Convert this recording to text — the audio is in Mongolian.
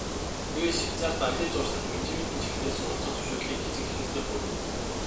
Тэгээд Швейцарьт аялал жуулчлал, менежментийн чиглэлээр суралцах зөвшөөрлийг эцэг эхээсээ гуйв.